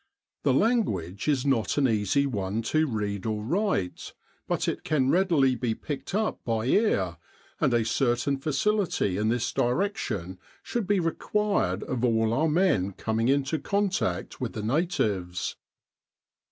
The language is not an easy one to read or write, but it can readily be picked up by ear, and a certain facility in this direction should be required of all our men coming into contact with the natives.